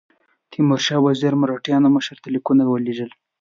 تیمورشاه وزیر مرهټیانو مشر ته لیکونه ولېږل.